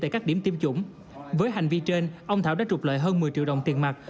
tại các điểm tiêm chủng với hành vi trên ông thảo đã trục lợi hơn một mươi triệu đồng tiền mặt